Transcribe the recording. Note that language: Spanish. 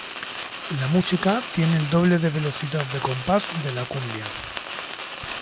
La música tiene el doble de velocidad de compás de la cumbia.